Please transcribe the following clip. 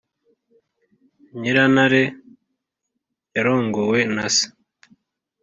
nyirantare yarongowe na se